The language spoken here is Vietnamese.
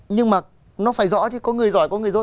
nhưng mà nó phải rõ chứ có người giỏi có người rốt